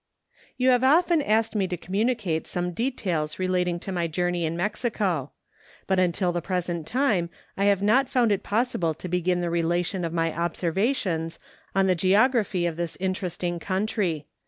You have often asked me to communicate some de¬ tails relating to my journey in Mexico; but until the present time I have not found it possible to begin the relation of my observations on the geo¬ graphy of this interesting country.